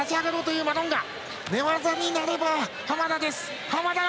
寝技になれば濱田です。